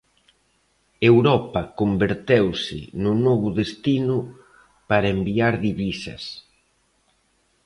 Europa converteuse no novo destino para enviar divisas.